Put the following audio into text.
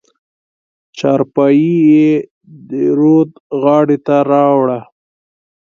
چارپايي يې د رود غاړې ته راوړه.